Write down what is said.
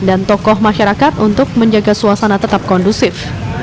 dan tokoh masyarakat untuk menjaga suasana tetap kondusif